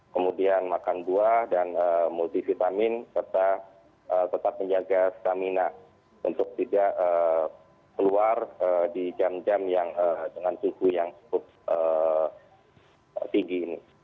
kemudian makan buah dan multivitamin serta tetap menjaga stamina untuk tidak keluar di jam jam yang dengan suhu yang cukup tinggi ini